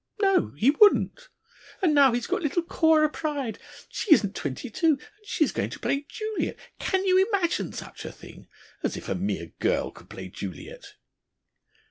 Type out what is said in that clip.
No, he wouldn't! And now he's got little Cora Pryde! She isn't twenty two, and she's going to play Juliet! Can you imagine such a thing? As if a mere girl could play Juliet!"